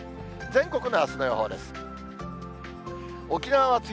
全国のあすの予報です。